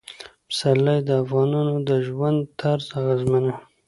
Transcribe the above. پسرلی د افغانانو د ژوند طرز اغېزمنوي.